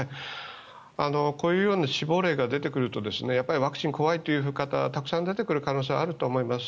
こういう死亡例が出てくるとワクチンは怖いという見方がたくさん出てくる可能性はあると思います。